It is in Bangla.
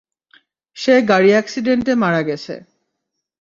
সে গাড়ি এক্সিডেন্টে মারা গেছে।